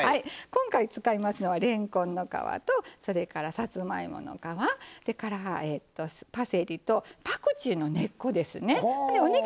今回使いますのはれんこんの皮とそれからさつまいもの皮パセリとパクチーの根っこですね。